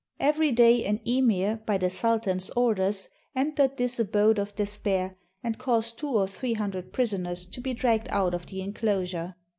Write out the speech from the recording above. Every day an emir, by the sultan's orders, entered this abode of de spair, and caused two or three hundred prisoners to be dragged out of the inclosure.